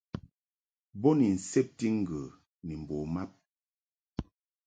Bo ni nsebti ŋgə ni mbo mab.